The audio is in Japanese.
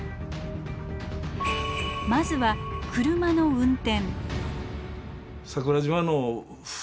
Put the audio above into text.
まずは「車の運転」。